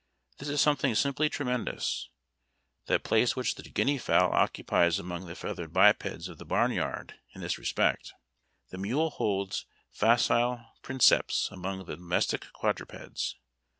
This is something simply tremen dous. That place which the guinea fowl occupies among the feathered bipeds of the barn yard in this respect, the mule holds faeile princeps &.mong the domestic quadrupeds.